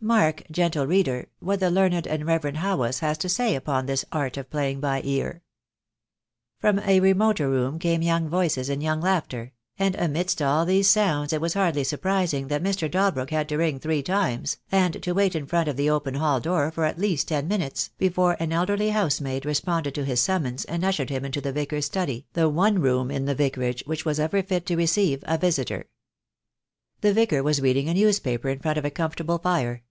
Mark, gentle reader, what the learned and reverend Haweis has to say upon this art of playing by ear! From a remoter room came young voices and young laughter; and amidst all these sounds it was hardly sur prising that Mr. Dalbrook had to ring three times, and to wait in front of the open hall door for at least ten minutes, before an elderly housemaid responded to his summons and ushered him into the Vicar's study, the one room in the Vicarage which was ever fit to receive a visitor. The Vicar was reading a newspaper in front of a comfortable fire.